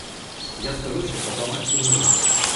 Я скажу, що прокламації мої.